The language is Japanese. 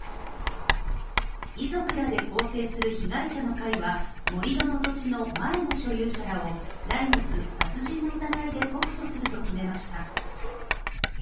遺族らで構成する被害者の会は、盛り土の前の所有者らを来月、殺人の疑いで告訴すると決めました。